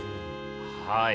はい。